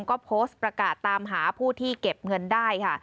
ก็โพสต์ประกาศตามหาผู้ที่เก็บเงินได้ค่ะ